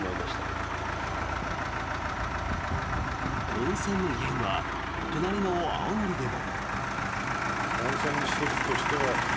温泉の異変は隣の青森でも。